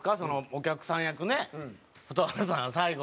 お客さん役ね蛍原さん最後。